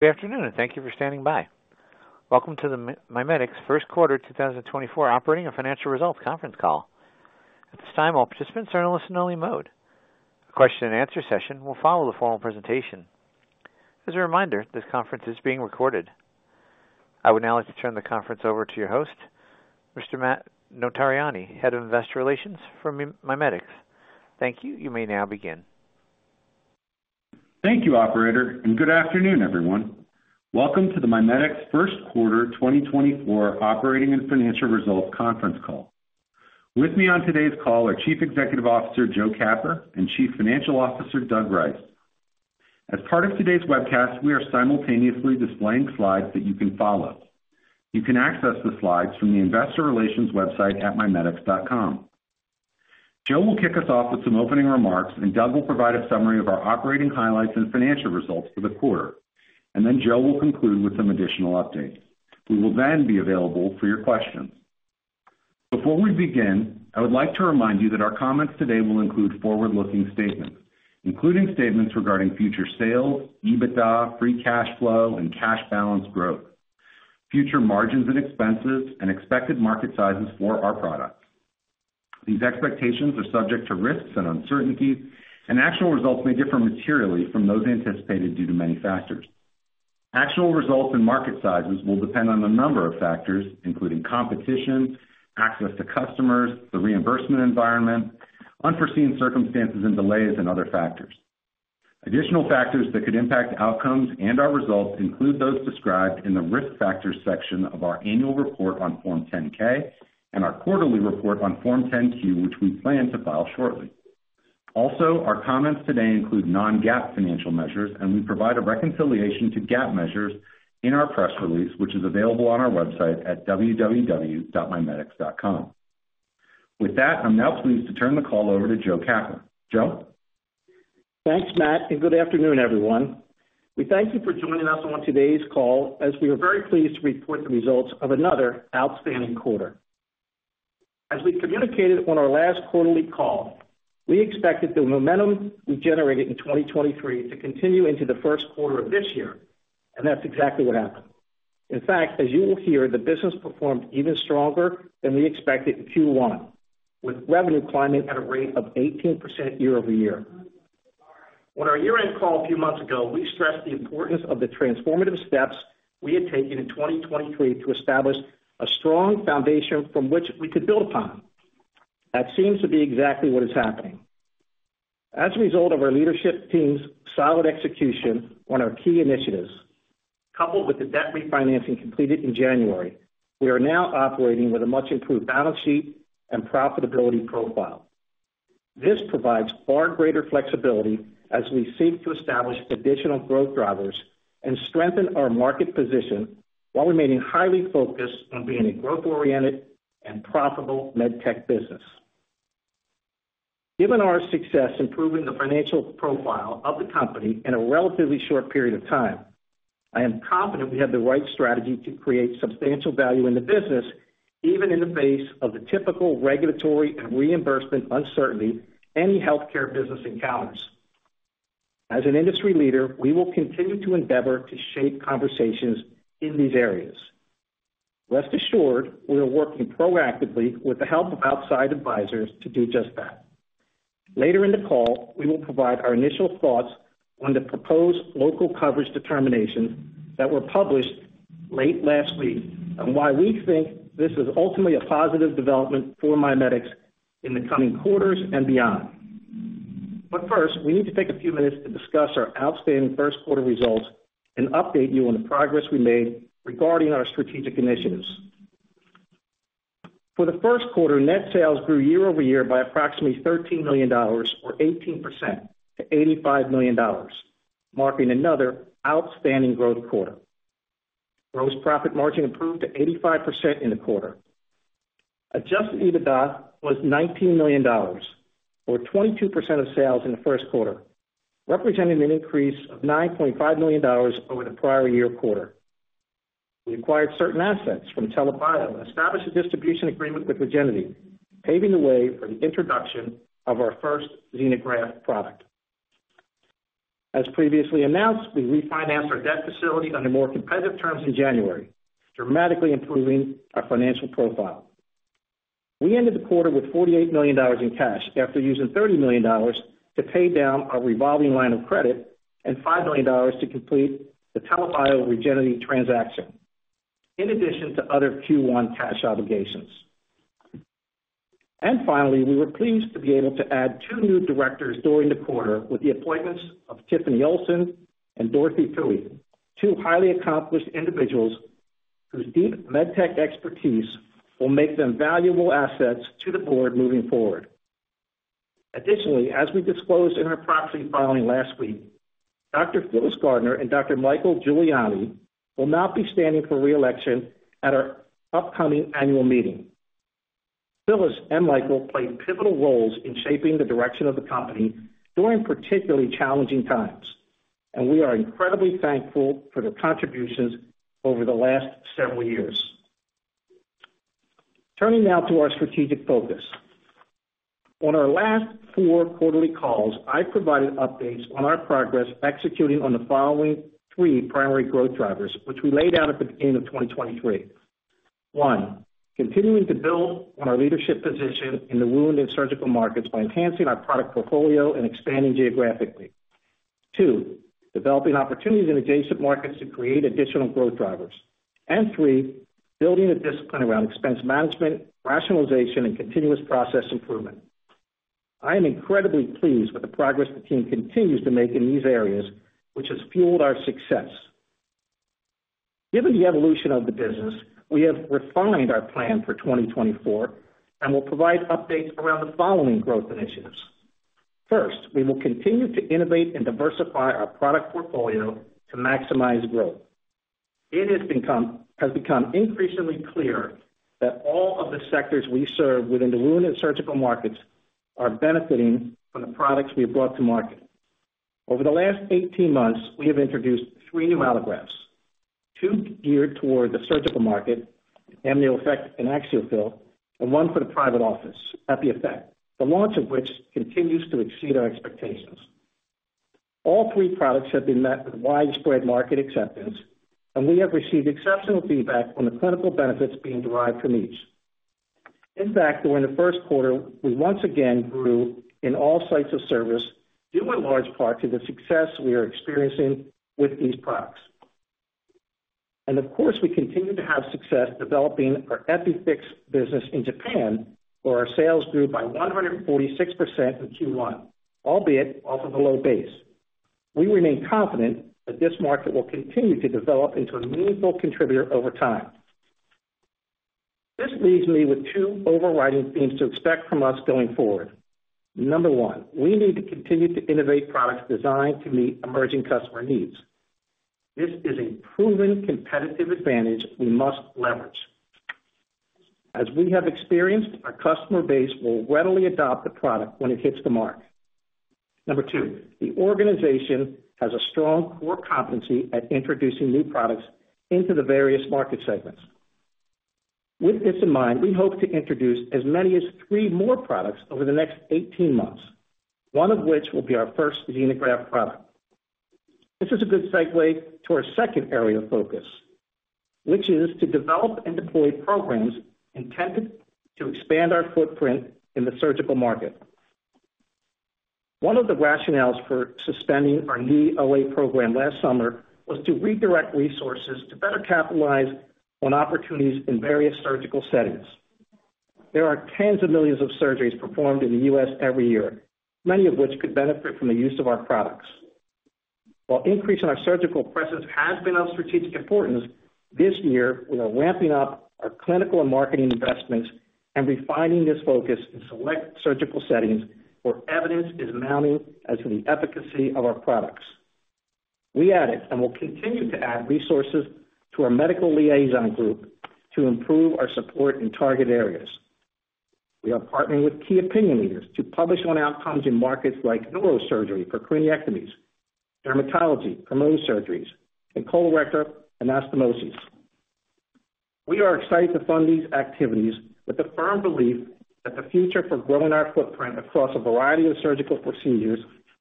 Good afternoon, and thank you for standing by. Welcome to the MiMedx First Quarter 2024 Operating and Financial Results Conference Call. At this time, all participants are in listen-only mode. A question-and-answer session will follow the formal presentation. As a reminder, this conference is being recorded. I would now like to turn the conference over to your host, Mr. Matt Notarianni, Head of Investor Relations for MiMedx. Thank you. You may now begin. Thank you, operator, and good afternoon, everyone. Welcome to the MiMedx First Quarter 2024 Operating and Financial Results conference call. With me on today's call are Chief Executive Officer, Joe Capper, and Chief Financial Officer, Doug Rice. As part of today's webcast, we are simultaneously displaying slides that you can follow. You can access the slides from the investor relations website at mimedx.com. Joe will kick us off with some opening remarks, and Doug will provide a summary of our operating highlights and financial results for the quarter, and then Joe will conclude with some additional updates. We will then be available for your questions. Before we begin, I would like to remind you that our comments today will include forward-looking statements, including statements regarding future sales, EBITDA, free cash flow, and cash balance growth, future margins and expenses, and expected market sizes for our products. These expectations are subject to risks and uncertainties, and actual results may differ materially from those anticipated due to many factors. Actual results and market sizes will depend on a number of factors, including competition, access to customers, the reimbursement environment, unforeseen circumstances and delays, and other factors. Additional factors that could impact outcomes and our results include those described in the Risk Factors section of our annual report on Form 10-K and our quarterly report on Form 10-Q, which we plan to file shortly. Also, our comments today include non-GAAP financial measures, and we provide a reconciliation to GAAP measures in our press release, which is available on our website at www.mimedx.com. With that, I'm now pleased to turn the call over to Joe Capper. Joe? Thanks, Matt, and good afternoon, everyone. We thank you for joining us on today's call, as we are very pleased to report the results of another outstanding quarter. As we communicated on our last quarterly call, we expected the momentum we generated in 2023 to continue into the first quarter of this year, and that's exactly what happened. In fact, as you will hear, the business performed even stronger than we expected in Q1, with revenue climbing at a rate of 18% year-over-year. On our year-end call a few months ago, we stressed the importance of the transformative steps we had taken in 2023 to establish a strong foundation from which we could build upon. That seems to be exactly what is happening. As a result of our leadership team's solid execution on our key initiatives, coupled with the debt refinancing completed in January, we are now operating with a much-improved balance sheet and profitability profile. This provides far greater flexibility as we seek to establish additional growth drivers and strengthen our market position while remaining highly focused on being a growth-oriented and profitable med tech business. Given our success improving the financial profile of the company in a relatively short period of time, I am confident we have the right strategy to create substantial value in the business, even in the face of the typical regulatory and reimbursement uncertainty any healthcare business encounters. As an industry leader, we will continue to endeavor to shape conversations in these areas. Rest assured, we are working proactively with the help of outside advisors to do just that. Later in the call, we will provide our initial thoughts on the proposed local coverage determinations that were published late last week, and why we think this is ultimately a positive development for MiMedx in the coming quarters and beyond. But first, we need to take a few minutes to discuss our outstanding first quarter results and update you on the progress we made regarding our strategic initiatives. For the first quarter, net sales grew year-over-year by approximately $13 million, or 18% to $85 million, marking another outstanding growth quarter. Gross profit margin improved to 85% in the quarter. Adjusted EBITDA was $19 million, or 22% of sales in the first quarter, representing an increase of $9.5 million over the prior year quarter. We acquired certain assets from TELA Bio and established a distribution agreement with Regenity, paving the way for the introduction of our first xenograft product. As previously announced, we refinanced our debt facility under more competitive terms in January, dramatically improving our financial profile. We ended the quarter with $48 million in cash after using $30 million to pay down our revolving line of credit and $5 million to complete the TELA Bio Regenity transaction, in addition to other Q1 cash obligations. Finally, we were pleased to be able to add two new directors during the quarter with the appointments of Tiffany Olson and Dorothy Tilley, two highly accomplished individuals whose deep med tech expertise will make them valuable assets to the board moving forward. Additionally, as we disclosed in our proxy filing last week, Dr. Phyllis Gardner and Dr. Michael Giuliani will not be standing for re-election at our upcoming annual meeting. Phyllis and Michael played pivotal roles in shaping the direction of the company during particularly challenging times, and we are incredibly thankful for their contributions over the last several years.... Turning now to our strategic focus. On our last four quarterly calls, I've provided updates on our progress executing on the following three primary growth drivers, which we laid out at the beginning of 2023. One, continuing to build on our leadership position in the wound and surgical markets by enhancing our product portfolio and expanding geographically. Two, developing opportunities in adjacent markets to create additional growth drivers. And three, building a discipline around expense management, rationalization, and continuous process improvement. I am incredibly pleased with the progress the team continues to make in these areas, which has fueled our success. Given the evolution of the business, we have refined our plan for 2024, and we'll provide updates around the following growth initiatives. First, we will continue to innovate and diversify our product portfolio to maximize growth. It has become increasingly clear that all of the sectors we serve within the wound and surgical markets are benefiting from the products we have brought to market. Over the last 18 months, we have introduced 3 new allografts, 2 geared toward the surgical market, AmnioFix and AxioFill, and 1 for the private office, EpiFix, the launch of which continues to exceed our expectations. All 3 products have been met with widespread market acceptance, and we have received exceptional feedback on the clinical benefits being derived from each. In fact, during the first quarter, we once again grew in all sites of service, due in large part to the success we are experiencing with these products. And of course, we continue to have success developing our EpiFix business in Japan, where our sales grew by 146% in Q1, albeit off of a low base. We remain confident that this market will continue to develop into a meaningful contributor over time. This leaves me with two overriding themes to expect from us going forward. Number 1, we need to continue to innovate products designed to meet emerging customer needs. This is a proven competitive advantage we must leverage. As we have experienced, our customer base will readily adopt the product when it hits the mark. Number 2, the organization has a strong core competency at introducing new products into the various market segments. With this in mind, we hope to introduce as many as three more products over the next eighteen months, one of which will be our first xenograft product. This is a good segue to our second area of focus, which is to develop and deploy programs intended to expand our footprint in the surgical market. One of the rationales for suspending our knee OA program last summer was to redirect resources to better capitalize on opportunities in various surgical settings. There are tens of millions of surgeries performed in the U.S. every year, many of which could benefit from the use of our products. While increasing our surgical presence has been of strategic importance, this year, we are ramping up our clinical and marketing investments and refining this focus in select surgical settings, where evidence is mounting as to the efficacy of our products. We added and will continue to add resources to our medical liaison group to improve our support in target areas. We are partnering with key opinion leaders to publish on outcomes in markets like neurosurgery for craniectomies, dermatology for Mohs surgeries, and colorectal anastomosis. We are excited to fund these activities with the firm belief that the future for growing our footprint across a variety of surgical procedures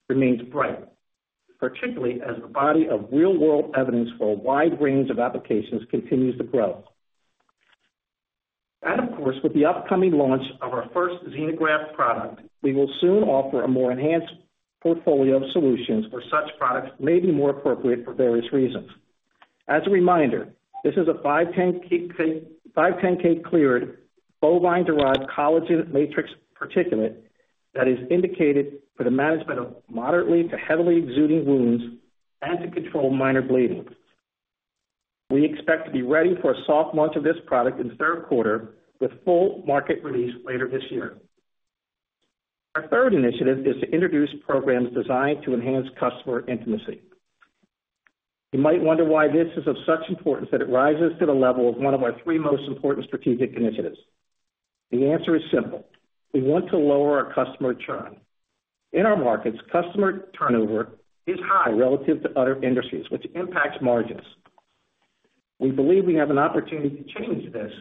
remains bright, particularly as the body of real-world evidence for a wide range of applications continues to grow. And of course, with the upcoming launch of our first xenograft product, we will soon offer a more enhanced portfolio of solutions where such products may be more appropriate for various reasons. As a reminder, this is a 510(k) cleared, bovine-derived collagen matrix particulate that is indicated for the management of moderately to heavily exuding wounds and to control minor bleeding. We expect to be ready for a soft launch of this product in the third quarter, with full market release later this year. Our third initiative is to introduce programs designed to enhance customer intimacy. You might wonder why this is of such importance that it rises to the level of one of our three most important strategic initiatives. The answer is simple: We want to lower our customer churn. In our markets, customer turnover is high relative to other industries, which impacts margins. We believe we have an opportunity to change this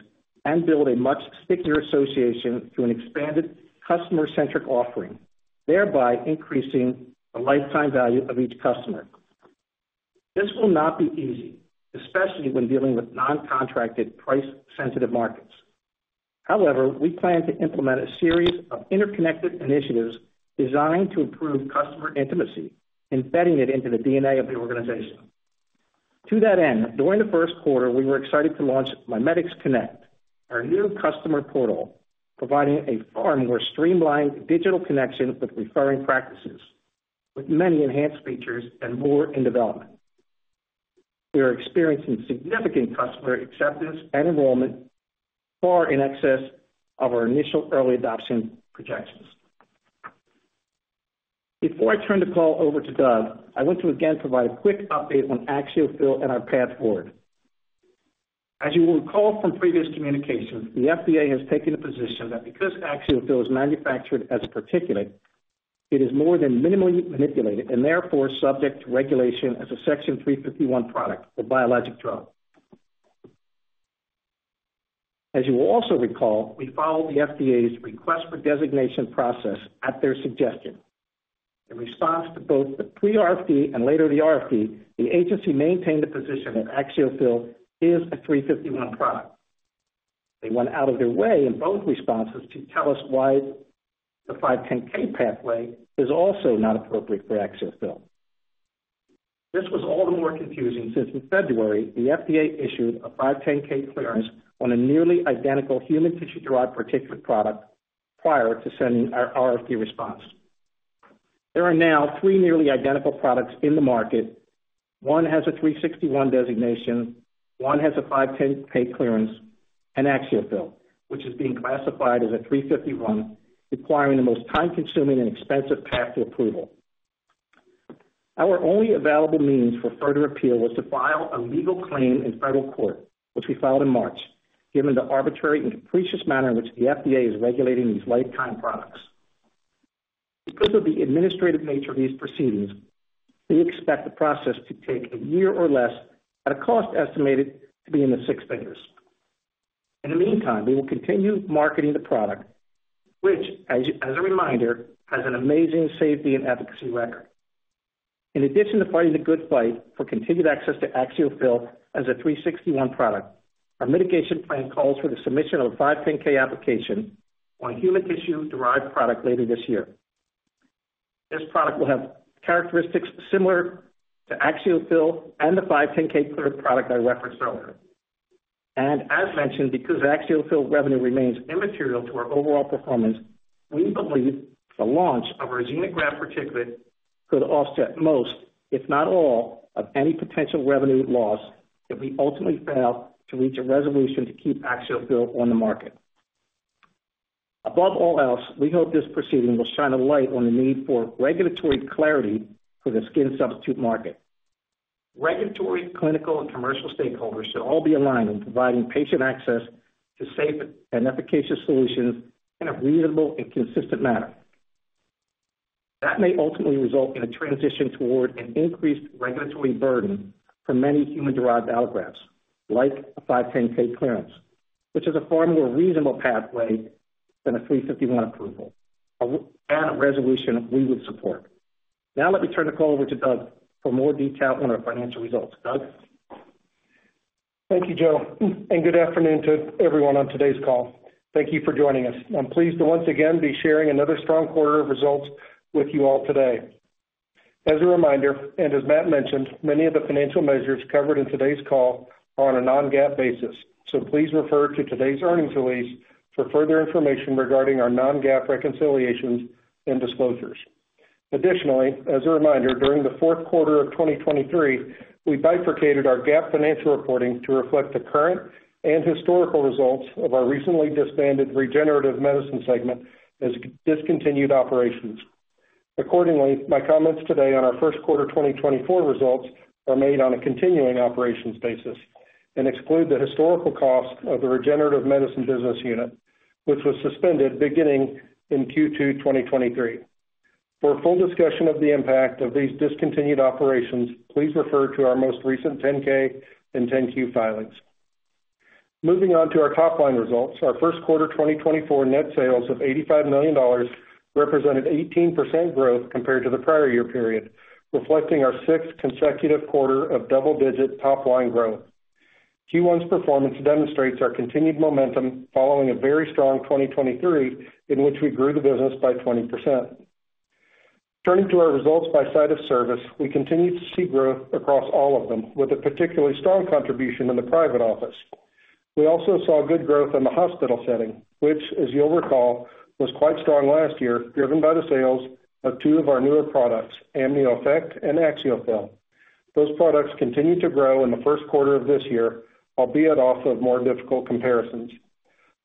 and build a much stickier association through an expanded customer-centric offering, thereby increasing the lifetime value of each customer. This will not be easy, especially when dealing with non-contracted, price-sensitive markets. However, we plan to implement a series of interconnected initiatives designed to improve customer intimacy, embedding it into the DNA of the organization. To that end, during the first quarter, we were excited to launch MiMedx Connect, our new customer portal, providing a far more streamlined digital connection with referring practices, with many enhanced features and more in development. We are experiencing significant customer acceptance and enrollment far in excess of our initial early adoption projections. Before I turn the call over to Doug, I want to again provide a quick update on AxioFill and our path forward. As you will recall from previous communications, the FDA has taken the position that because AxioFill is manufactured as a particulate,... it is more than minimally manipulated and therefore subject to regulation as a Section 351 product, a biologic drug. As you will also recall, we followed the FDA's request for designation process at their suggestion. In response to both the pre-RFD and later the RFD, the agency maintained the position that AxioFill is a 351 product. They went out of their way in both responses to tell us why the 510(k) pathway is also not appropriate for AxioFill. This was all the more confusing since in February, the FDA issued a 510(k) clearance on a nearly identical human tissue-derived particulate product prior to sending our RFD response. There are now three nearly identical products in the market. One has a 361 designation, one has a 510(k) clearance, and AxioFill, which is being classified as a 351, requiring the most time-consuming and expensive path to approval. Our only available means for further appeal was to file a legal claim in federal court, which we filed in March, given the arbitrary and capricious manner in which the FDA is regulating these lifetime products. Because of the administrative nature of these proceedings, we expect the process to take a year or less at a cost estimated to be in the six figures. In the meantime, we will continue marketing the product, which, as a reminder, has an amazing safety and efficacy record. In addition to fighting the good fight for continued access to AxioFill as a 361 product, our mitigation plan calls for the submission of a 510(k) application on a human tissue-derived product later this year. This product will have characteristics similar to AxioFill and the 510(k) cleared product I referenced earlier. And as mentioned, because AxioFill revenue remains immaterial to our overall performance, we believe the launch of our xenograft particulate could offset most, if not all, of any potential revenue loss if we ultimately fail to reach a resolution to keep AxioFill on the market. Above all else, we hope this proceeding will shine a light on the need for regulatory clarity for the skin substitute market. Regulatory, clinical, and commercial stakeholders should all be aligned in providing patient access to safe and efficacious solutions in a reasonable and consistent manner. That may ultimately result in a transition toward an increased regulatory burden for many human-derived allografts, like a 510(k) clearance, which is a far more reasonable pathway than a 351 approval, and resolution we would support. Now let me turn the call over to Doug for more detail on our financial results. Doug? Thank you, Joe, and good afternoon to everyone on today's call. Thank you for joining us. I'm pleased to once again be sharing another strong quarter of results with you all today. As a reminder, and as Matt mentioned, many of the financial measures covered in today's call are on a non-GAAP basis, so please refer to today's earnings release for further information regarding our non-GAAP reconciliations and disclosures. Additionally, as a reminder, during the fourth quarter of 2023, we bifurcated our GAAP financial reporting to reflect the current and historical results of our recently disbanded regenerative medicine segment as discontinued operations. Accordingly, my comments today on our first quarter 2024 results are made on a continuing operations basis and exclude the historical costs of the regenerative medicine business unit, which was suspended beginning in Q2 2023. For a full discussion of the impact of these discontinued operations, please refer to our most recent 10-K and 10-Q filings. Moving on to our top-line results, our first quarter 2024 net sales of $85 million represented 18% growth compared to the prior year period, reflecting our sixth consecutive quarter of double-digit top line growth. Q1's performance demonstrates our continued momentum following a very strong 2023, in which we grew the business by 20%. Turning to our results by site of service, we continued to see growth across all of them, with a particularly strong contribution in the private office. We also saw good growth in the hospital setting, which, as you'll recall, was quite strong last year, driven by the sales of two of our newer products, AmnioFix and AxioFill. Those products continued to grow in the first quarter of this year, albeit off of more difficult comparisons.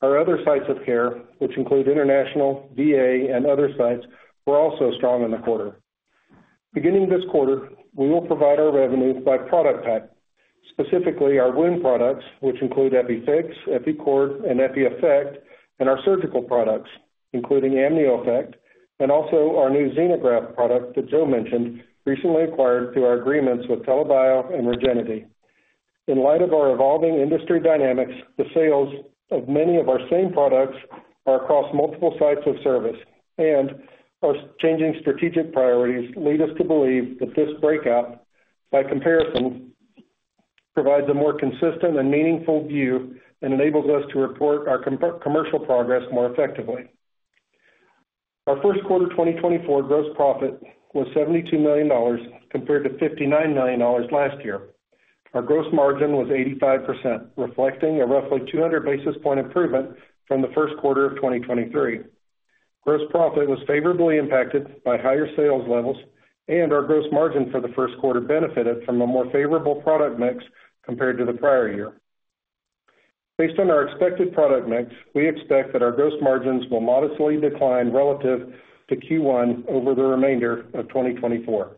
Our other sites of care, which include international, VA, and other sites, were also strong in the quarter. Beginning this quarter, we will provide our revenue by product type, specifically our wound products, which include EpiFix, EpiCord, and EpiEffect, and our surgical products, including AmnioFix, and also our new xenograft product that Joe mentioned, recently acquired through our agreements with TELA Bio and Regenity. In light of our evolving industry dynamics, the sales of many of our same products are across multiple sites of service, and our changing strategic priorities lead us to believe that this breakout, by comparison, provides a more consistent and meaningful view and enables us to report our commercial progress more effectively. Our first quarter 2024 gross profit was $72 million, compared to $59 million last year. Our gross margin was 85%, reflecting a roughly 200 basis point improvement from the first quarter of 2023. Gross profit was favorably impacted by higher sales levels, and our gross margin for the first quarter benefited from a more favorable product mix compared to the prior year. Based on our expected product mix, we expect that our gross margins will modestly decline relative to Q1 over the remainder of 2024.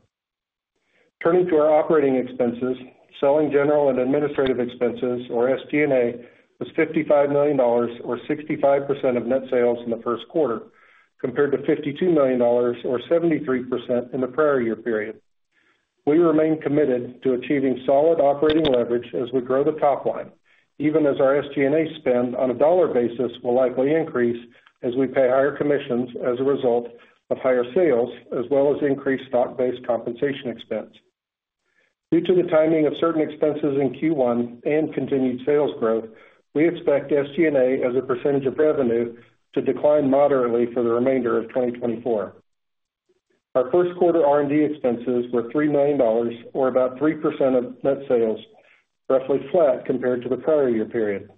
Turning to our operating expenses, selling, general, and administrative expenses, or SG&A, was $55 million or 65% of net sales in the first quarter, compared to $52 million or 73% in the prior year period. We remain committed to achieving solid operating leverage as we grow the top line, even as our SG&A spend on a dollar basis will likely increase as we pay higher commissions as a result of higher sales, as well as increased stock-based compensation expense. Due to the timing of certain expenses in Q1 and continued sales growth, we expect SG&A as a percentage of revenue to decline moderately for the remainder of 2024. Our first quarter R&D expenses were $3 million, or about 3% of net sales, roughly flat compared to the prior year period.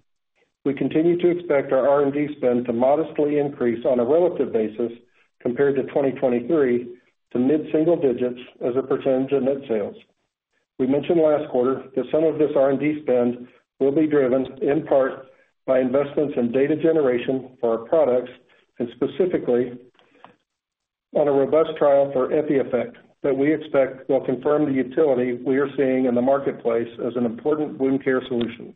We continue to expect our R&D spend to modestly increase on a relative basis compared to 2023 to mid-single digits as a percentage of net sales. We mentioned last quarter that some of this R&D spend will be driven in part by investments in data generation for our products, and specifically on a robust trial for EpiEffect that we expect will confirm the utility we are seeing in the marketplace as an important wound care solution.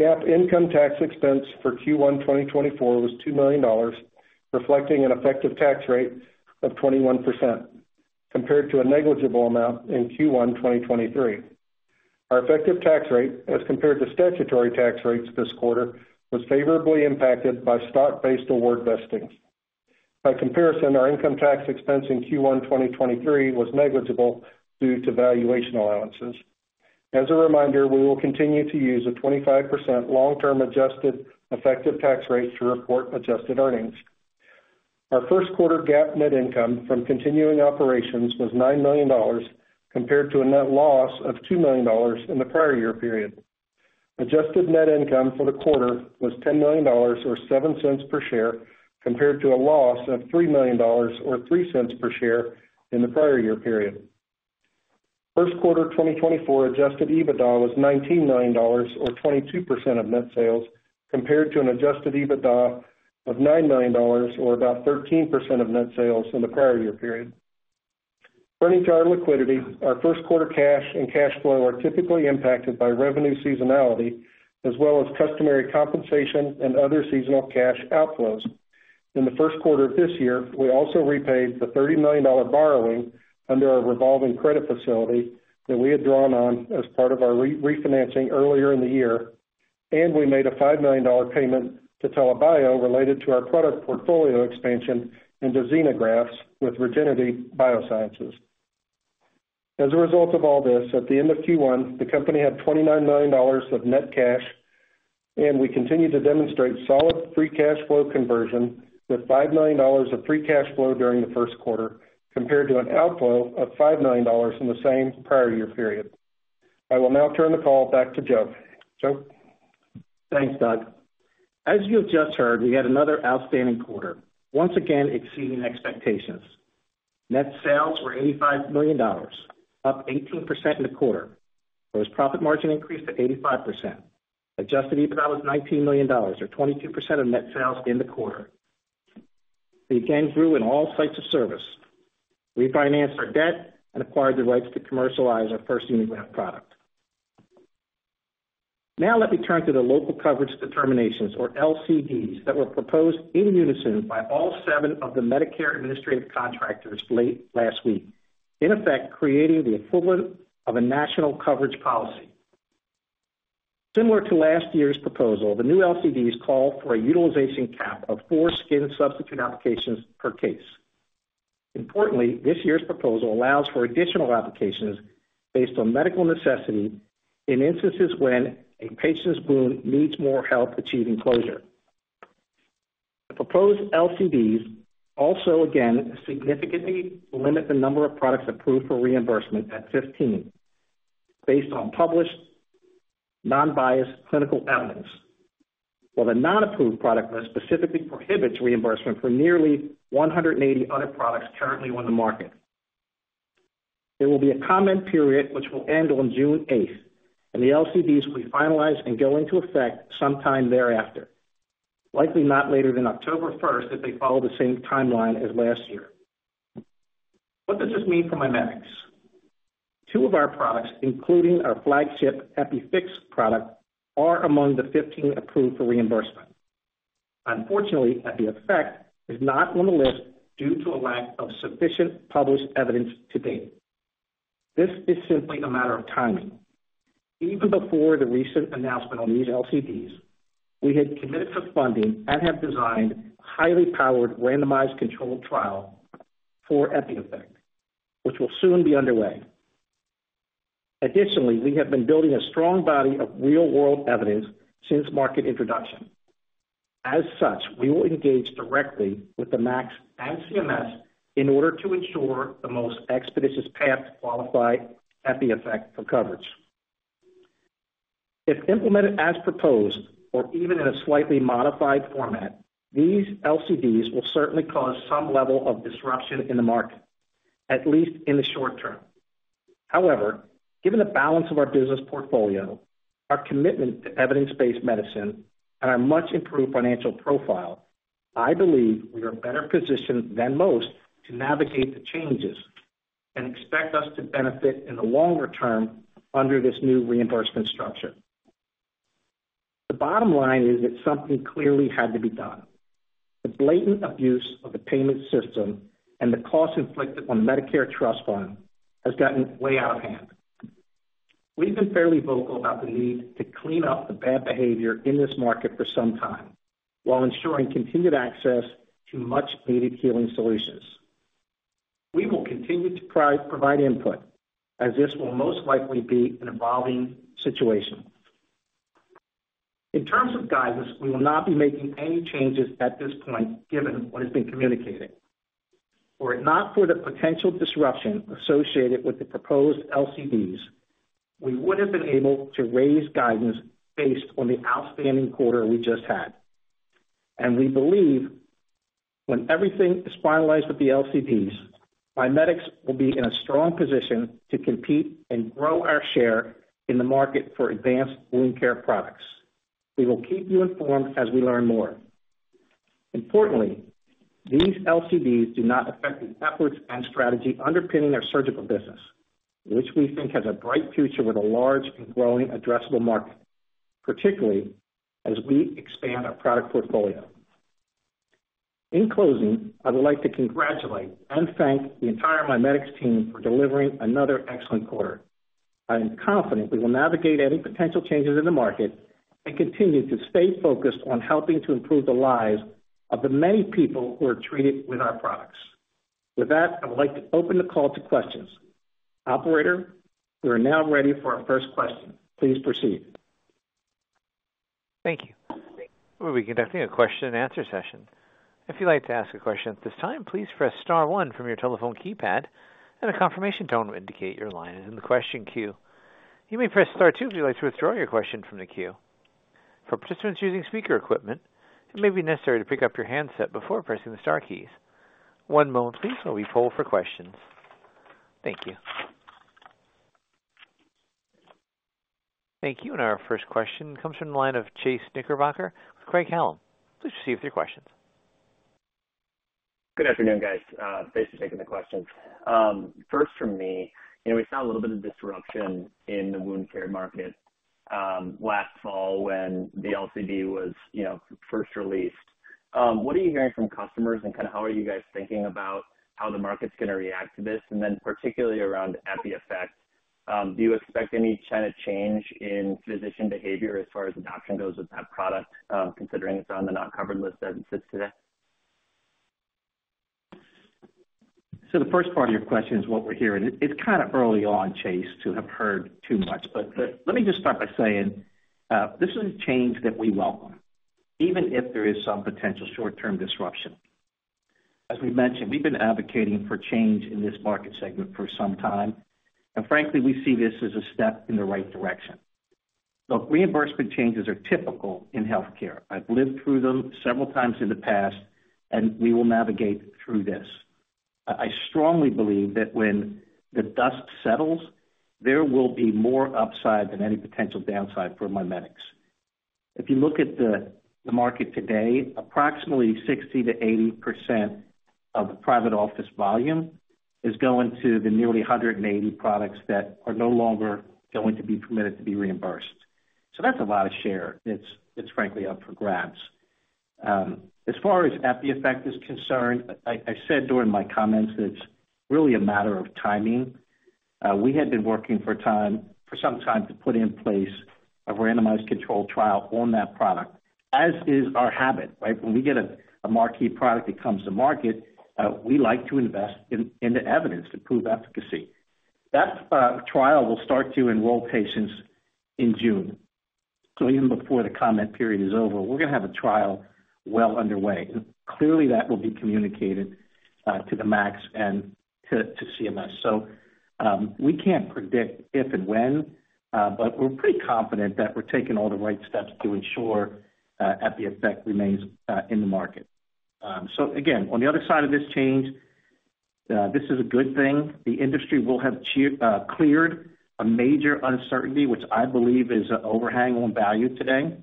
GAAP income tax expense for Q1 2024 was $2 million, reflecting an effective tax rate of 21%, compared to a negligible amount in Q1 2023. Our effective tax rate, as compared to statutory tax rates this quarter, was favorably impacted by stock-based award vesting. By comparison, our income tax expense in Q1 2023 was negligible due to valuation allowances. As a reminder, we will continue to use a 25% long-term adjusted effective tax rate to report adjusted earnings. Our first quarter GAAP net income from continuing operations was $9 million, compared to a net loss of $2 million in the prior year period. Adjusted net income for the quarter was $10 million, or 7 cents per share, compared to a loss of $3 million or 3 cents per share in the prior year period. First quarter 2024 adjusted EBITDA was $19 million, or 22% of net sales, compared to an adjusted EBITDA of $9 million, or about 13% of net sales in the prior year period. Turning to our liquidity, our first quarter cash and cash flow are typically impacted by revenue seasonality, as well as customary compensation and other seasonal cash outflows. In the first quarter of this year, we also repaid the $30 million borrowing under our revolving credit facility that we had drawn on as part of our refinancing earlier in the year, and we made a $5 million payment to TELA Bio related to our product portfolio expansion into xenografts with Regenity Biosciences. As a result of all this, at the end of Q1, the company had $29 million of net cash, and we continue to demonstrate solid free cash flow conversion, with $5 million of free cash flow during the first quarter, compared to an outflow of $5 million in the same prior year period. I will now turn the call back to Joe. Joe? Thanks, Doug. As you have just heard, we had another outstanding quarter, once again exceeding expectations. Net sales were $85 million, up 18% in the quarter, gross profit margin increased to 85%. Adjusted EBITDA was $19 million, or 22% of net sales in the quarter. We again grew in all sites of service, refinanced our debt, and acquired the rights to commercialize our first xenograft product. Now, let me turn to the local coverage determinations, or LCDs, that were proposed in unison by all 7 of the Medicare administrative contractors late last week, in effect, creating the equivalent of a national coverage policy. Similar to last year's proposal, the new LCDs call for a utilization cap of 4 skin substitute applications per case. Importantly, this year's proposal allows for additional applications based on medical necessity in instances when a patient's wound needs more help achieving closure. The proposed LCDs also, again, significantly limit the number of products approved for reimbursement at 15, based on published, non-biased clinical evidence, while the non-approved product list specifically prohibits reimbursement for nearly 180 other products currently on the market. There will be a comment period, which will end on June eighth, and the LCDs will be finalized and go into effect sometime thereafter, likely not later than October first, if they follow the same timeline as last year. What does this mean for MiMedx? Two of our products, including our flagship EpiFix product, are among the 15 approved for reimbursement. Unfortunately, EpiEffect is not on the list due to a lack of sufficient published evidence to date. This is simply a matter of timing. Even before the recent announcement on these LCDs, we had committed to funding and have designed a highly powered, randomized controlled trial for EpiEffect, which will soon be underway. Additionally, we have been building a strong body of real-world evidence since market introduction. As such, we will engage directly with the MACs and CMS in order to ensure the most expeditious path to qualify EpiEffect for coverage. If implemented as proposed, or even in a slightly modified format, these LCDs will certainly cause some level of disruption in the market, at least in the short term... However, given the balance of our business portfolio, our commitment to evidence-based medicine, and our much improved financial profile, I believe we are better positioned than most to navigate the changes and expect us to benefit in the longer term under this new reimbursement structure. The bottom line is that something clearly had to be done. The blatant abuse of the payment system and the cost inflicted on the Medicare Trust Fund has gotten way out of hand. We've been fairly vocal about the need to clean up the bad behavior in this market for some time, while ensuring continued access to much-needed healing solutions. We will continue to provide input, as this will most likely be an evolving situation. In terms of guidance, we will not be making any changes at this point given what has been communicated. Were it not for the potential disruption associated with the proposed LCDs, we would have been able to raise guidance based on the outstanding quarter we just had. We believe when everything is finalized with the LCDs, MiMedx will be in a strong position to compete and grow our share in the market for advanced wound care products. We will keep you informed as we learn more. Importantly, these LCDs do not affect the efforts and strategy underpinning our surgical business, which we think has a bright future with a large and growing addressable market, particularly as we expand our product portfolio. In closing, I would like to congratulate and thank the entire MiMedx team for delivering another excellent quarter. I am confident we will navigate any potential changes in the market and continue to stay focused on helping to improve the lives of the many people who are treated with our products. With that, I would like to open the call to questions. Operator, we are now ready for our first question. Please proceed. Thank you. We'll be conducting a question-and-answer session. If you'd like to ask a question at this time, please press star one from your telephone keypad, and a confirmation tone will indicate your line is in the question queue. You may press star two if you'd like to withdraw your question from the queue. For participants using speaker equipment, it may be necessary to pick up your handset before pressing the star keys. One moment, please, while we poll for questions. Thank you. Thank you. Our first question comes from the line of Chase Knickerbocker with Craig-Hallum. Please proceed with your questions. Good afternoon, guys. Thanks for taking the questions. First from me, you know, we saw a little bit of disruption in the wound care market last fall when the LCD was, you know, first released. What are you hearing from customers, and kind of how are you guys thinking about how the market's going to react to this? And then particularly around EpiEffect, do you expect any kind of change in physician behavior as far as adoption goes with that product, considering it's on the non-covered list as it sits today? So the first part of your question is what we're hearing. It's kind of early on, Chase, to have heard too much. But let me just start by saying, this is a change that we welcome, even if there is some potential short-term disruption. As we've mentioned, we've been advocating for change in this market segment for some time, and frankly, we see this as a step in the right direction. Look, reimbursement changes are typical in healthcare. I've lived through them several times in the past, and we will navigate through this. I strongly believe that when the dust settles, there will be more upside than any potential downside for MiMedx. If you look at the market today, approximately 60% to 80% of a private office volume is going to the nearly 180 products that are no longer going to be permitted to be reimbursed. So that's a lot of share. It's frankly up for grabs. As far as EpiEffect is concerned, I said during my comments that it's really a matter of timing. We had been working for some time to put in place a randomized controlled trial on that product. As is our habit, right, when we get a marquee product that comes to market, we like to invest in the evidence to prove efficacy. That trial will start to enroll patients in June. So even before the comment period is over, we're gonna have a trial well underway. Clearly, that will be communicated to the MACs and to CMS. So, we can't predict if and when, but we're pretty confident that we're taking all the right steps to ensure EpiEffect remains in the market. So again, on the other side of this change, this is a good thing. The industry will have achieved cleared a major uncertainty, which I believe is an overhang on value today,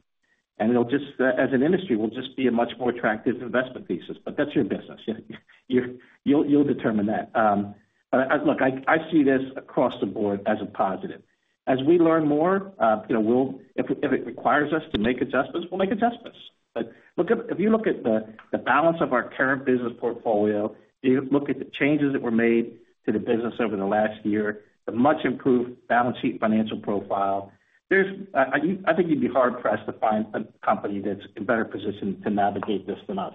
and it'll just, as an industry, will just be a much more attractive investment thesis, but that's your business. You, you'll, you'll determine that. But look, I see this across the board as a positive. As we learn more, you know, we'll—if it requires us to make adjustments, we'll make adjustments. But look at... If you look at the balance of our current business portfolio, you look at the changes that were made to the business over the last year, the much improved balance sheet financial profile. There's, I think you'd be hard-pressed to find a company that's in better position to navigate this than us.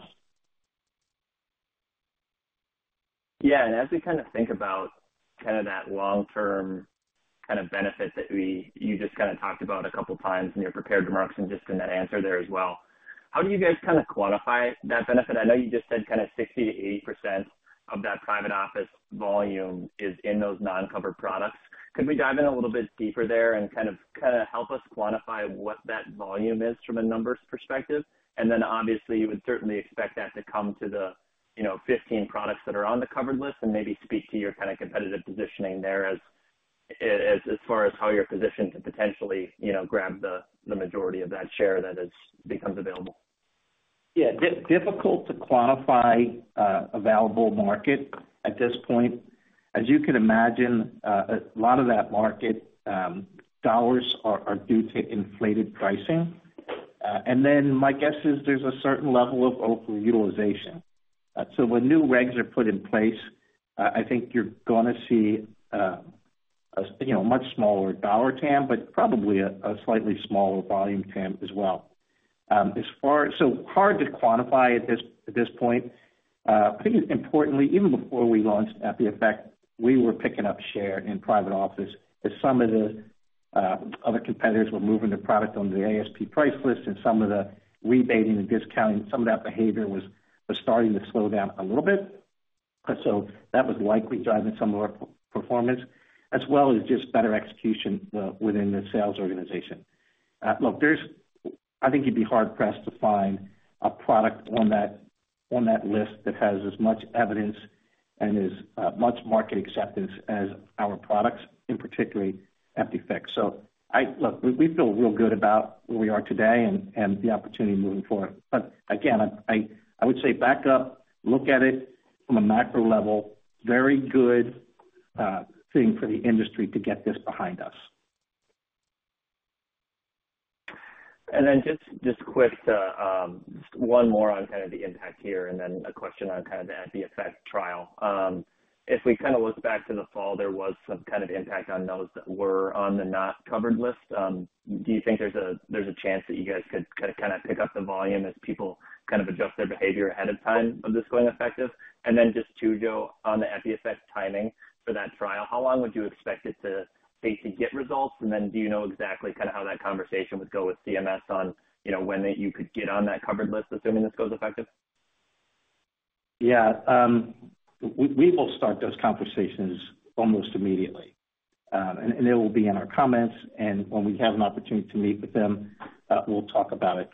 Yeah, and as we kind of think about kind of that long-term kind of benefit that we, you just kind of talked about a couple of times in your prepared remarks and just in that answer there as well, how do you guys kind of quantify that benefit? I know you just said kind of 60% to 80% of that private office volume is in those non-covered products. Could we dive in a little bit deeper there and kind of, kind of help us quantify what that volume is from a numbers perspective? And then, obviously, you would certainly expect that to come to the, you know, 15 products that are on the covered list and maybe speak to your kind of competitive positioning there as well.... as, as far as how you're positioned to potentially, you know, grab the, the majority of that share that has becomes available? Yeah, difficult to quantify available market at this point. As you can imagine, a lot of that market dollars are due to inflated pricing. And then my guess is there's a certain level of overutilization. So when new regs are put in place, I think you're gonna see, you know, a much smaller dollar TAM, but probably a slightly smaller volume TAM as well. So hard to quantify at this point. I think importantly, even before we launched EpiEffect, we were picking up share in private office as some of the other competitors were moving their product onto the ASP price list and some of the rebating and discounting, some of that behavior was starting to slow down a little bit. So that was likely driving some of our performance as well as just better execution within the sales organization. Look, there's. I think you'd be hard pressed to find a product on that, on that list that has as much evidence and as much market acceptance as our products, in particular EpiEffect. So, look, we, we feel real good about where we are today and, and the opportunity moving forward. But again, I, I, I would say back up, look at it from a macro level, very good thing for the industry to get this behind us. And then just quick, just one more on kind of the impact here, and then a question on kind of the EpiEffect trial. If we kind of look back to the fall, there was some kind of impact on those that were on the not covered list. Do you think there's a chance that you guys could kind of pick up the volume as people kind of adjust their behavior ahead of time of this going effective? And then just to go on the EpiEffect timing for that trial, how long would you expect it to basically get results? And then do you know exactly kind of how that conversation would go with CMS on, you know, when you could get on that covered list, assuming this goes effective? Yeah, we will start those conversations almost immediately, and it will be in our comments, and when we have an opportunity to meet with them, we'll talk about it.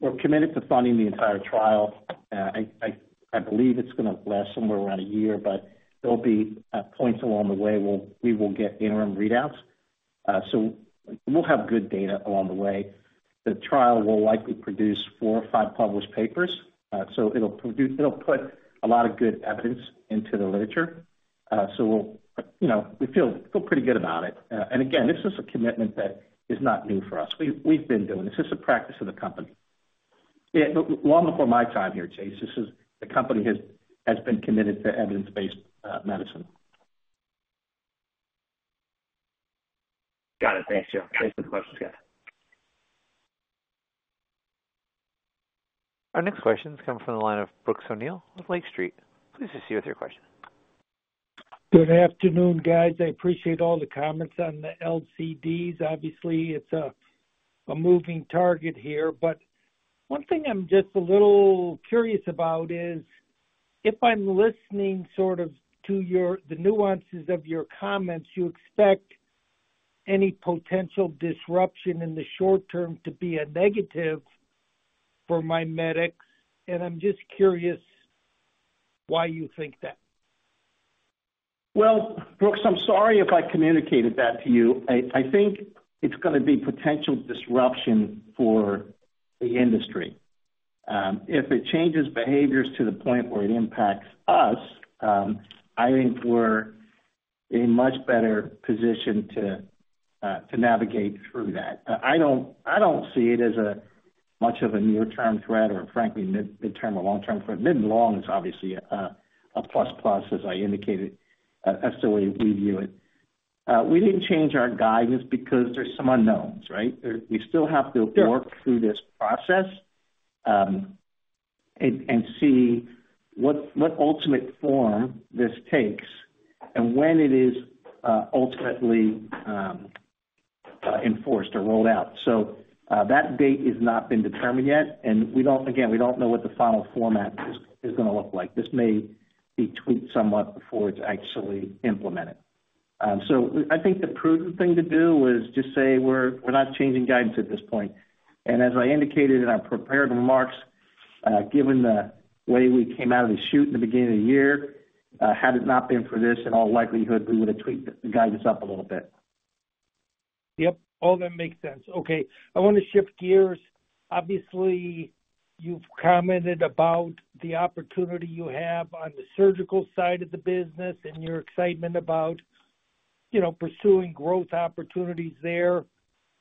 We're committed to funding the entire trial. I believe it's gonna last somewhere around a year, but there'll be points along the way where we will get interim readouts. So we'll have good data along the way. The trial will likely produce four or five published papers. So it'll produce... It'll put a lot of good evidence into the literature. So we'll, you know, feel pretty good about it. And again, this is a commitment that is not new for us. We've been doing this. This is a practice of the company. Yeah, but long before my time here, Chase, this is, the company has, has been committed to evidence-based, medicine. Got it. Thank you. Thanks for the question. Our next question is coming from the line of Brooks O'Neil with Lake Street. Please proceed with your question. Good afternoon, guys. I appreciate all the comments on the LCDs. Obviously, it's a moving target here, but one thing I'm just a little curious about is, if I'm listening sort of to your, the nuances of your comments, you expect any potential disruption in the short term to be a negative for MiMedx, and I'm just curious why you think that? Well, Brooks, I'm sorry if I communicated that to you. I think it's gonna be potential disruption for the industry. If it changes behaviors to the point where it impacts us, I think we're in much better position to navigate through that. I don't see it as much of a near-term threat or frankly, mid-term or long-term threat. Mid and long is obviously a plus plus, as I indicated, that's the way we view it. We didn't change our guidance because there's some unknowns, right? We still have to work through this process, and see what ultimate form this takes and when it is ultimately enforced or rolled out. That date has not been determined yet, and we don't... Again, we don't know what the final format is gonna look like. This may be tweaked somewhat before it's actually implemented. So I think the prudent thing to do is just say, we're not changing guidance at this point. And as I indicated in our prepared remarks, given the way we came out of the chute in the beginning of the year, had it not been for this, in all likelihood, we would have tweaked the guidance up a little bit. Yep, all that makes sense. Okay, I want to shift gears. Obviously, you've commented about the opportunity you have on the surgical side of the business and your excitement about, you know, pursuing growth opportunities there.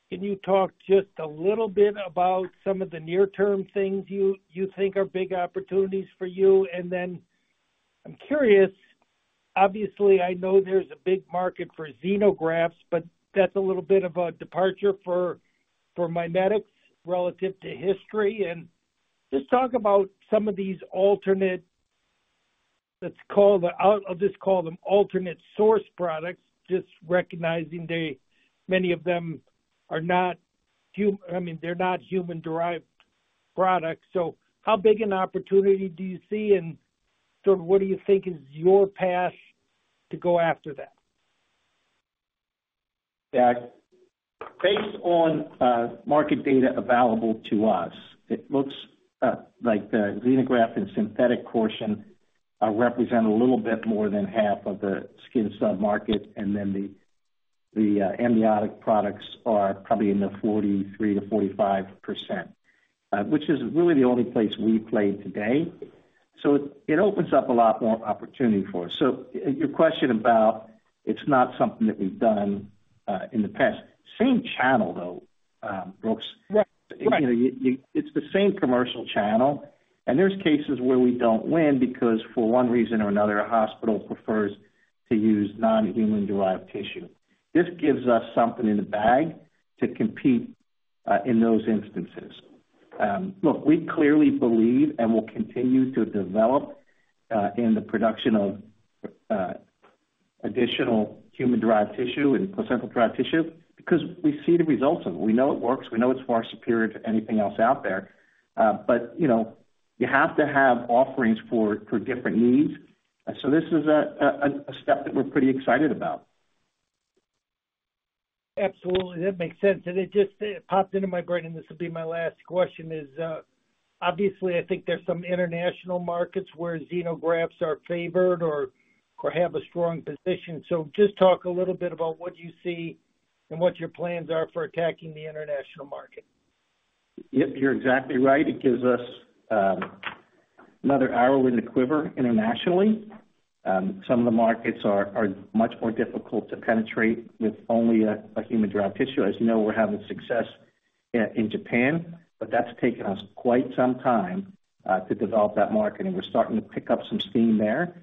Can you talk just a little bit about some of the near-term things you think are big opportunities for you? And then I'm curious, obviously, I know there's a big market for xenografts, but that's a little bit of a departure for MiMedx relative to history. And just talk about some of these alternate, let's call them, I'll just call them alternate source products, just recognizing they, many of them are not, I mean, they're not human-derived products. So how big an opportunity do you see, and sort of what do you think is your path to go after that?... Yeah, based on market data available to us, it looks like the xenograft and synthetic portion represent a little bit more than half of the skin sub market, and then the amniotic products are probably in the 43%-45%, which is really the only place we play today. So it opens up a lot more opportunity for us. So your question about it's not something that we've done in the past. Same channel, though, Brooks. Right. Right. It's the same commercial channel, and there's cases where we don't win because, for one reason or another, a hospital prefers to use non-human derived tissue. This gives us something in the bag to compete in those instances. Look, we clearly believe and will continue to develop in the production of additional human-derived tissue and placental-derived tissue because we see the results of it. We know it works. We know it's far superior to anything else out there. But, you know, you have to have offerings for different needs. So this is a step that we're pretty excited about. Absolutely. That makes sense. And it just, it popped into my brain, and this will be my last question, is, obviously, I think there's some international markets where xenografts are favored or, or have a strong position. So just talk a little bit about what you see and what your plans are for attacking the international market. Yep, you're exactly right. It gives us another arrow in the quiver internationally. Some of the markets are much more difficult to penetrate with only a human derived tissue. As you know, we're having success in Japan, but that's taken us quite some time to develop that market, and we're starting to pick up some steam there.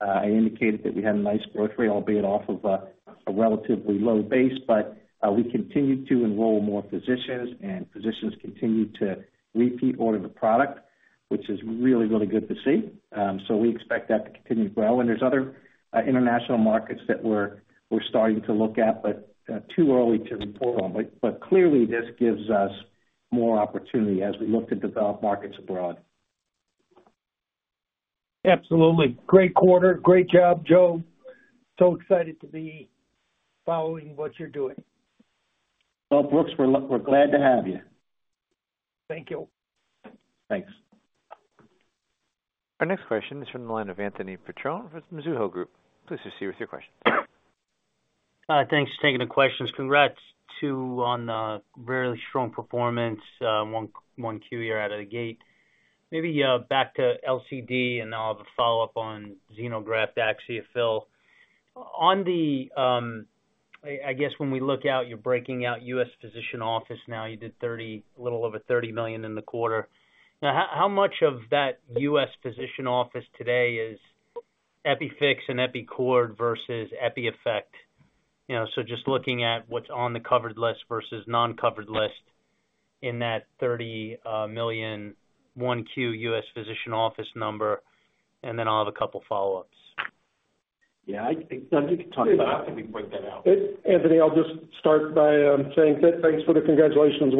I indicated that we had a nice growth rate, albeit off of a relatively low base, but we continue to enroll more physicians, and physicians continue to repeat order the product, which is really, really good to see. So we expect that to continue to grow. And there's other international markets that we're starting to look at, but too early to report on. But clearly, this gives us more opportunity as we look to develop markets abroad. Absolutely. Great quarter. Great job, Joe. So excited to be following what you're doing. Well, Brooks, we're glad to have you. Thank you. Thanks. Our next question is from the line of Anthony Petrone with Mizuho Group. Please proceed with your question. Thanks for taking the questions. Congrats to you on the very strong performance, 1Q year out of the gate. Maybe back to LCD, and I'll have a follow-up on xenograft AxioFill. On the, I guess when we look out, you're breaking out U.S. physician office now, you did a little over $30 million in the quarter. Now, how much of that U.S. physician office today is EpiFix and EpiCord versus EpiEffect? You know, so just looking at what's on the covered list versus non-covered list in that $30 million, 1Q U.S. physician office number, and then I'll have a couple follow-ups. Yeah, I, I think I can talk about how we break that out. Anthony, I'll just start by saying thanks for the congratulations.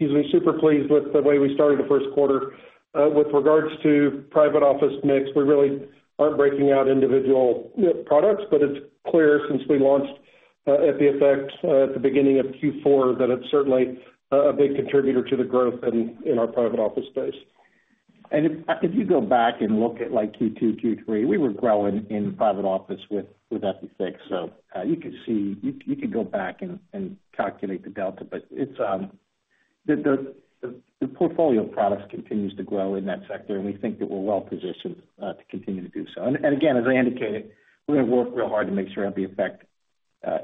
We're, excuse me, super pleased with the way we started the first quarter. With regards to private office mix, we really aren't breaking out individual products, but it's clear since we launched EpiEffect at the beginning of Q4, that it's certainly a big contributor to the growth in our private office space. If you go back and look at, like, Q2, Q3, we were growing in private office with EpiFix. So you could see. You could go back and calculate the delta, but it's the portfolio of products continues to grow in that sector, and we think that we're well-positioned to continue to do so. Again, as I indicated, we're gonna work real hard to make sure EpiEffect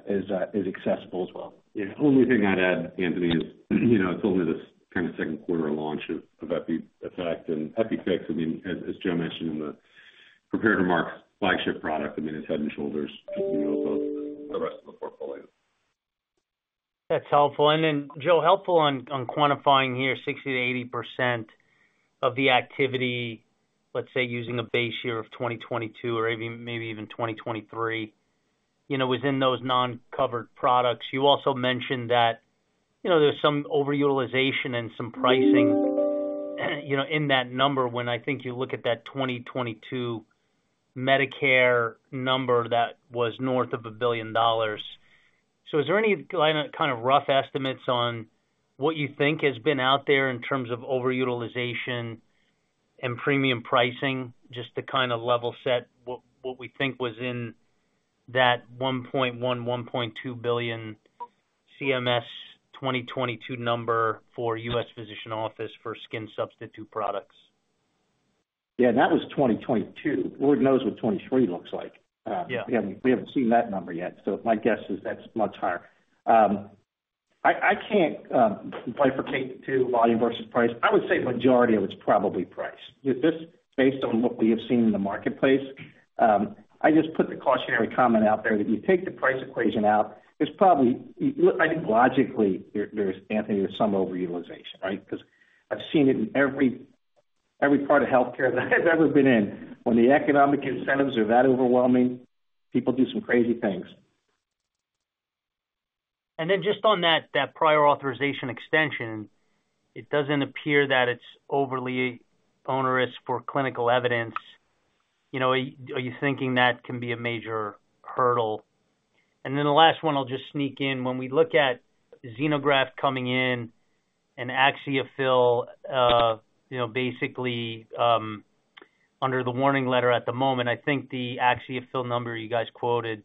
is accessible as well. Yeah. Only thing I'd add, Anthony, is, you know, it's only this kind of second quarter launch of EpiEffect and EpiFix. I mean, as Joe mentioned in the prepared remarks, flagship product, I mean, it's head and shoulders, you know, above the rest of the portfolio. That's helpful. And then, Joe, helpful on, on quantifying here 60% to 80% of the activity, let's say, using a base year of 2022 or even maybe even 2023, you know, within those non-covered products. You also mentioned that, you know, there's some overutilization and some pricing, you know, in that number when I think you look at that 2022 Medicare number, that was north of $1 billion. So is there any kind of, kind of rough estimates on what you think has been out there in terms of overutilization and premium pricing, just to kind of level set what, what we think was in that $1.1 to $1.2 billion CMS 2022 number for U.S. physician office for skin substitute products? Yeah, that was 2022. Lord knows what 2023 looks like. Yeah. We haven't seen that number yet, so my guess is that's much higher. I can't bifurcate to volume versus price. I would say majority of it's probably price. With this, based on what we have seen in the marketplace, I just put the cautionary comment out there that if you take the price equation out, there's probably... I think logically, Anthony, there's some overutilization, right? Because I've seen it in every part of healthcare that I've ever been in. When the economic incentives are that overwhelming, people do some crazy things. ...just on that, that prior authorization extension, it doesn't appear that it's overly onerous for clinical evidence. You know, are you thinking that can be a major hurdle? Then the last one I'll just sneak in. When we look at xenograft coming in and AxioFill, you know, basically, under the warning letter at the moment, I think the AxioFill number you guys quoted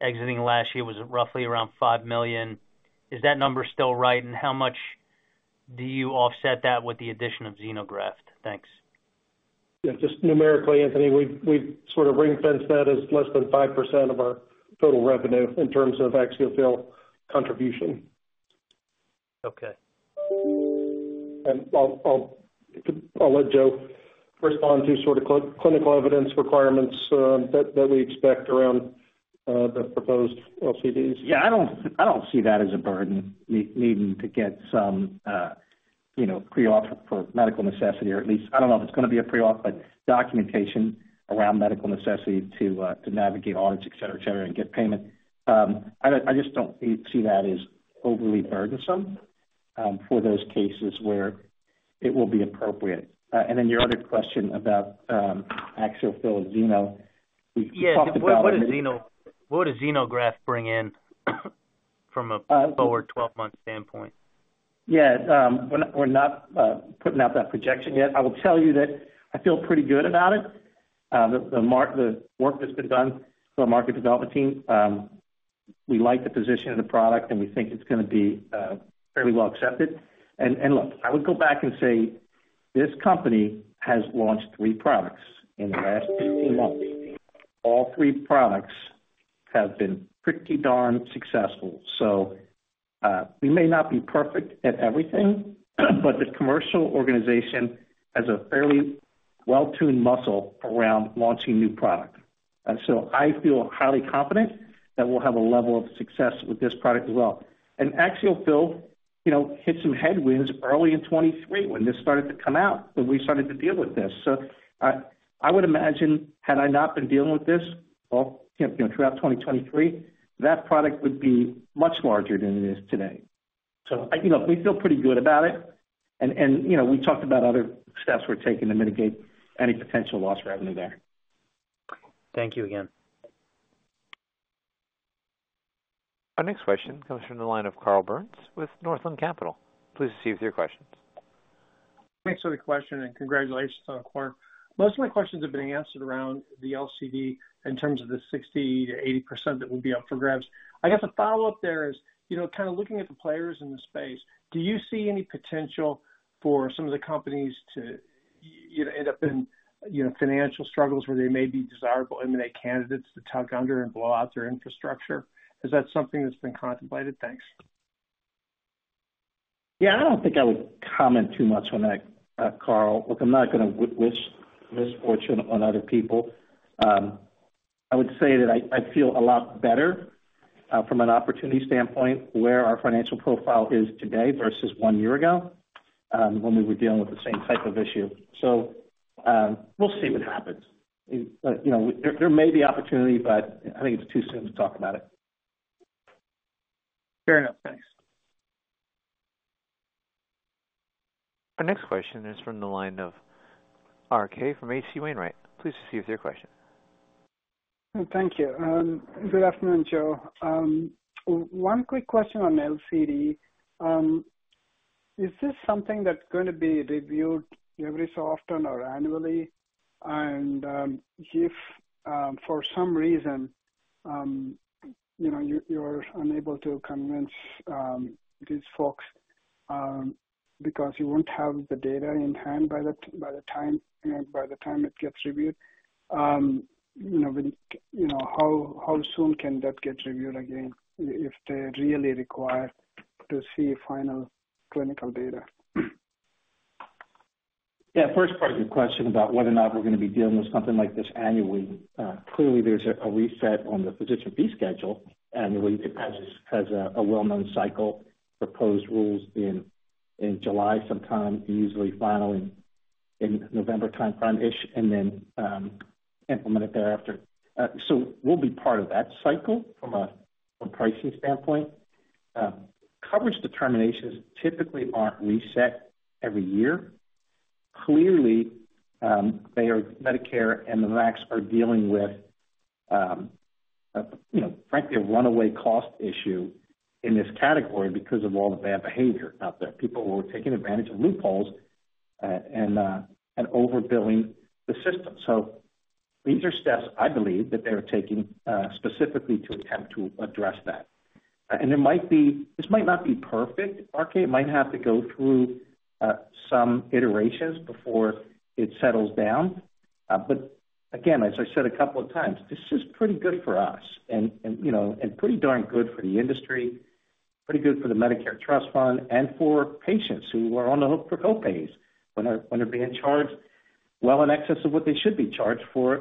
exiting last year was roughly around $5 million. Is that number still right? And how much do you offset that with the addition of xenograft? Thanks. Yeah, just numerically, Anthony, we've, we've sort of ring-fenced that as less than 5% of our total revenue in terms of AxioFill contribution. Okay. And I'll let Joe respond to sort of clinical evidence requirements that we expect around the proposed LCDs. Yeah, I don't see that as a burden, needing to get some, you know, pre-auth for medical necessity, or at least I don't know if it's gonna be a pre-auth, but documentation around medical necessity to navigate audits, et cetera, et cetera, and get payment. I just don't see that as overly burdensome for those cases where it will be appropriate. And then your other question about AxioFill Xeno. We talked about- Yeah, what does xenograft, what does xenograft bring in from a forward 12-month standpoint? Yeah. We're not, we're not putting out that projection yet. I will tell you that I feel pretty good about it. The market development team work that's been done by the market development team, we like the position of the product, and we think it's gonna be fairly well accepted. And look, I would go back and say this company has launched three products in the last 18 months. All three products have been pretty darn successful. So, we may not be perfect at everything, but the commercial organization has a fairly well-tuned muscle around launching new product. And so I feel highly confident that we'll have a level of success with this product as well. And AxioFill, you know, hit some headwinds early in 2023 when this started to come out, when we started to deal with this. So I would imagine, had I not been dealing with this all, you know, throughout 2023, that product would be much larger than it is today. So, you know, we feel pretty good about it. And, you know, we talked about other steps we're taking to mitigate any potential lost revenue there. Thank you again. Our next question comes from the line of Carl Byrnes with Northland Capital Markets. Please proceed with your questions. Thanks for the question, and congratulations on the quarter. Most of my questions have been answered around the LCD in terms of the 60% to 80% that would be up for grabs. I guess a follow-up there is, you know, kind of looking at the players in the space, do you see any potential for some of the companies to, you know, end up in, you know, financial struggles where they may be desirable M&A candidates to tuck under and blow out their infrastructure? Is that something that's been contemplated? Thanks. Yeah, I don't think I would comment too much on that, Carl. Look, I'm not gonna wish misfortune on other people. I would say that I feel a lot better from an opportunity standpoint, where our financial profile is today versus one year ago, when we were dealing with the same type of issue. So, we'll see what happens. But, you know, there may be opportunity, but I think it's too soon to talk about it. Fair enough. Thanks. Our next question is from the line of RK from H.C. Wainwright. Please proceed with your question. Thank you, and good afternoon, Joe. One quick question on LCD. Is this something that's going to be reviewed every so often or annually? And, if, for some reason, you know, you're unable to convince these folks, because you won't have the data in hand by the time it gets reviewed, you know, how soon can that get reviewed again, if they really require to see final clinical data? Yeah. First part of your question about whether or not we're going to be dealing with something like this annually. Clearly, there's a reset on the physician fee schedule annually. It has a well-known cycle, proposed rules in July, sometime usually final in November timeframe-ish, and then implemented thereafter. So we'll be part of that cycle from a pricing standpoint. Coverage determinations typically aren't reset every year. Clearly, they are... Medicare and the MACs are dealing with, you know, frankly, a runaway cost issue in this category because of all the bad behavior out there. People were taking advantage of loopholes and overbilling the system. So these are steps I believe that they're taking, specifically to attempt to address that. And there might be—this might not be perfect, RK, it might have to go through some iterations before it settles down. But again, as I said a couple of times, this is pretty good for us and, and, you know, and pretty darn good for the industry, pretty good for the Medicare trust fund and for patients who are on the hook for co-pays when they're, when they're being charged well in excess of what they should be charged for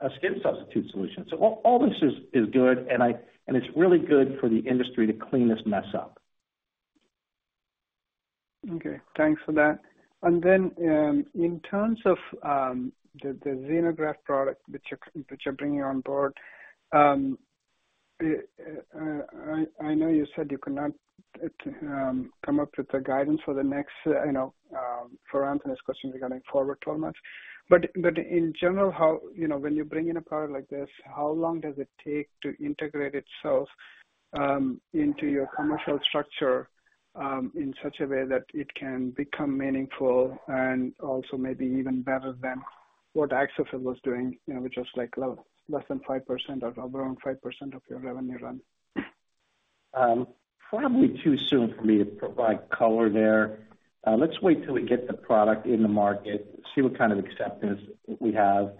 a skin substitute solution. So all, all this is, is good, and I—and it's really good for the industry to clean this mess up. ... Okay, thanks for that. And then in terms of the xenograft product which you're bringing on board, I know you said you cannot come up with a guidance for the next, you know, for Anthony's question regarding forward 12 months. But in general, how, you know, when you bring in a product like this, how long does it take to integrate itself into your commercial structure in such a way that it can become meaningful and also maybe even better than what Axogen was doing, you know, which was like less than 5% or around 5% of your revenue run? Probably too soon for me to provide color there. Let's wait till we get the product in the market, see what kind of acceptance we have.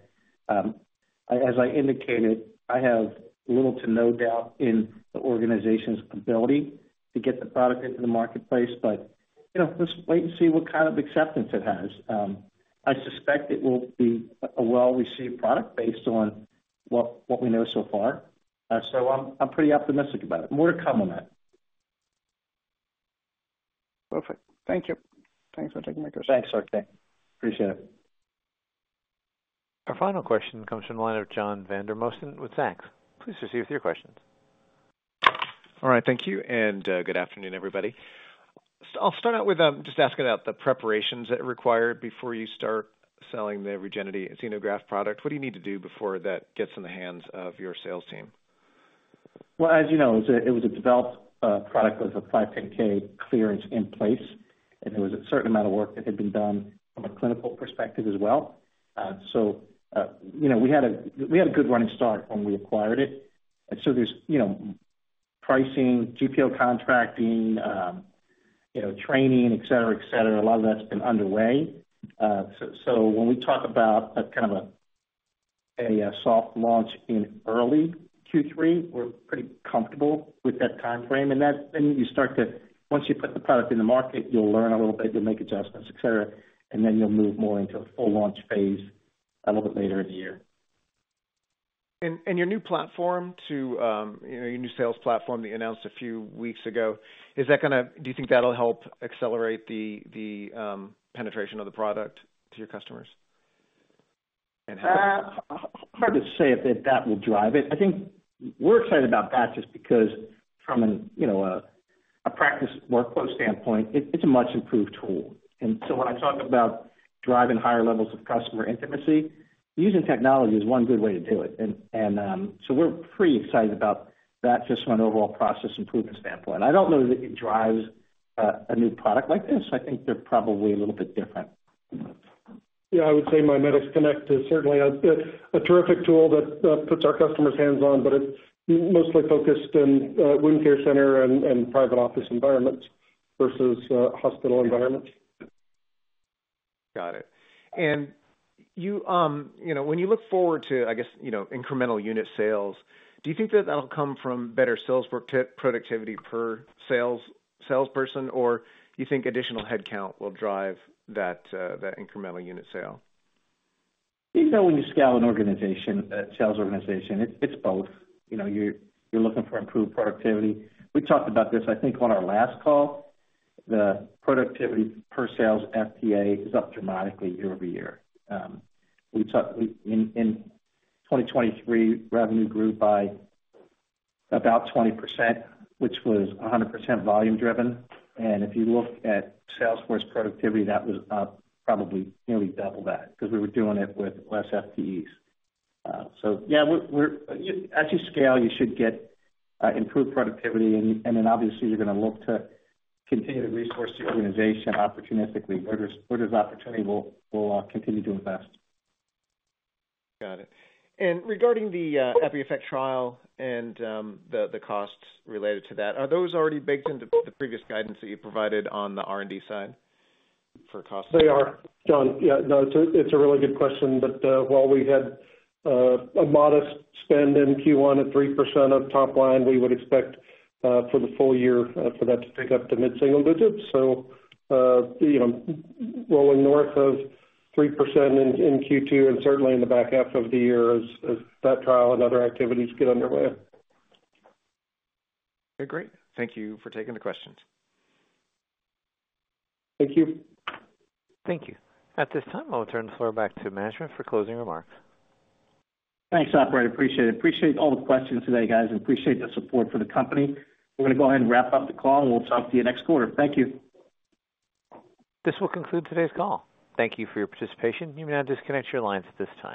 As I indicated, I have little to no doubt in the organization's ability to get the product into the marketplace, but, you know, let's wait and see what kind of acceptance it has. I suspect it will be a well-received product based on what we know so far. So I'm pretty optimistic about it. More to come on that. Perfect. Thank you. Thanks for taking my question. Thanks, RK. Appreciate it. Our final question comes from the line of John Vandermosten with Zacks. Please proceed with your questions. All right, thank you, and good afternoon, everybody. I'll start out with just asking about the preparations that are required before you start selling the Regenity xenograft product. What do you need to do before that gets in the hands of your sales team? Well, as you know, it was a developed product with a 510(k) clearance in place, and there was a certain amount of work that had been done from a clinical perspective as well. So, you know, we had a good running start when we acquired it. And so there's, you know, pricing, GPO contracting, training, et cetera, et cetera. A lot of that's been underway. So when we talk about a kind of a soft launch in early Q3, we're pretty comfortable with that timeframe. Once you put the product in the market, you'll learn a little bit, you'll make adjustments, et cetera, and then you'll move more into a full launch phase a little bit later in the year. Your new platform to, you know, your new sales platform that you announced a few weeks ago, is that gonna... Do you think that'll help accelerate the penetration of the product to your customers? And how- Hard to say if that will drive it. I think we're excited about that just because from a, you know, practice workflow standpoint, it's a much improved tool. And so when I talk about driving higher levels of customer intimacy, using technology is one good way to do it. And so we're pretty excited about that just from an overall process improvement standpoint. I don't know that it drives a new product like this. I think they're probably a little bit different. Yeah, I would say MiMedx Connect is certainly a terrific tool that puts our customers' hands on, but it's mostly focused in wound care center and private office environments versus hospital environments. Got it. And you know, when you look forward to, I guess, you know, incremental unit sales, do you think that that'll come from better sales rep productivity per salesperson? Or you think additional headcount will drive that incremental unit sale? You know, when you scale an organization, a sales organization, it's both. You know, you're looking for improved productivity. We talked about this, I think, on our last call. The productivity per sales FTA is up dramatically year over year. In 2023, revenue grew by about 20%, which was 100% volume driven. And if you look at sales force productivity, that was up probably nearly double that, because we were doing it with less FTEs. So yeah, we're. As you scale, you should get improved productivity, and then obviously, you're gonna look to continue to resource the organization opportunistically. Where there's opportunity, we'll continue to invest. Got it. And regarding the EpiEffect trial and the costs related to that, are those already baked into the previous guidance that you provided on the R&D side for costs? They are. John, yeah, no, it's a really good question. But while we had a modest spend in Q1 at 3% of top line, we would expect for the full year for that to pick up to mid-single digits. So you know, rolling north of 3% in Q2 and certainly in the back half of the year as that trial and other activities get underway. Okay, great. Thank you for taking the questions. Thank you. Thank you. At this time, I'll turn the floor back to management for closing remarks. Thanks, operator. Appreciate it. Appreciate all the questions today, guys, and appreciate the support for the company. We're gonna go ahead and wrap up the call, and we'll talk to you next quarter. Thank you. This will conclude today's call. Thank you for your participation. You may now disconnect your lines at this time.